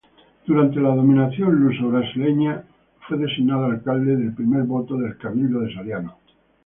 Durante la dominación luso-brasileña fue designado alcalde de primer voto del Cabildo de Soriano.